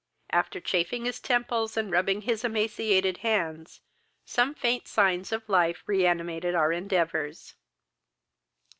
After chafing his temples, and rubbing his emaciated hands, some faint signs of life reanimated our endeavours.